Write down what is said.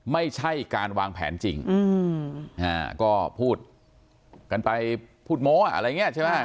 ไม่ใช่การวางแผนจริงก็พูดกันไปพูดโม้อะไรอย่างนี้ใช่ไหม